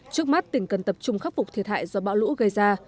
trước mắt tỉnh cần tập trung khắc phục thiệt hại do bão lũ gây ra